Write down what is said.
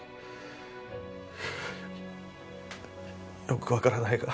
よくわからないが。